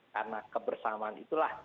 karena kebersamaan itulah